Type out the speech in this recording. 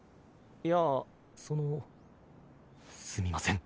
いやそのすみません